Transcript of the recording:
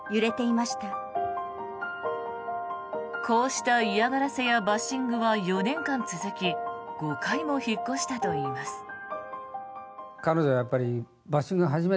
こうした嫌がらせやバッシングは４年間続き５回も引っ越したといいます。